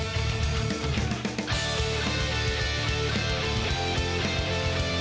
โปรดติดตามตอนต่อไป